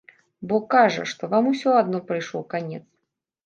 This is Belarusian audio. Бо, кажа, што вам усё адно прыйшоў канец.